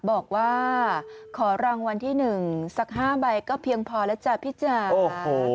บอกว่าขอรางวัลที่๑สัก๕ใบก็เพียงพอแล้วจ้ะพี่จ๋า